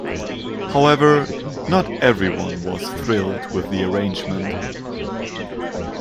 However, not everyone was thrilled with the arrangement.